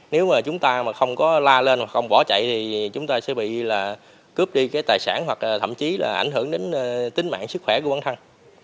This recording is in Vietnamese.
nếu mà chúng ta không có la lên không bỏ chạy thì chúng ta sẽ bị cướp đi tài sản hoặc thậm chí là ảnh hưởng đến tính mạng sức khỏe của bản thân